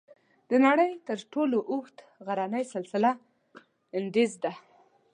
د نړۍ تر ټولو اوږد غرنی سلسله "انډیز" ده.